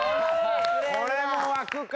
これも枠か。